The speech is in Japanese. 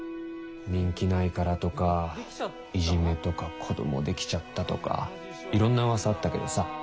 人気ないからとかいじめとか子どもできちゃったとかいろんな噂あったけどさ。